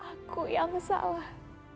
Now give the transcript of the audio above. aku yang salah